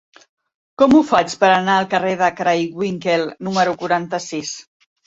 Com ho faig per anar al carrer de Craywinckel número quaranta-sis?